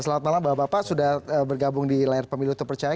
selamat malam bapak bapak sudah bergabung di layar pemilu terpercaya